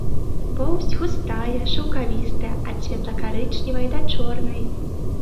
Поўсць густая, шаўкавістая, ад светла-карычневай да чорнай.